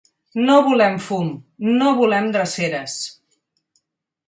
No volem fum, no volem dreceres.